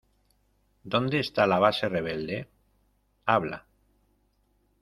¿ Dónde esta la base rebelde? ¡ habla!